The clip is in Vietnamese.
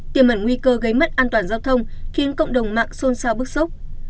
tiềm ẩn nguy cơ gây mất an toàn giao thông khiến cộng đồng mạng xôn xao bức xúc